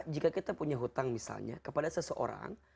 jika kita punya hutang misalnya kepada seseorang